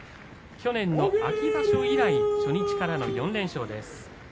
去年の秋場所以来初日からの４連勝です。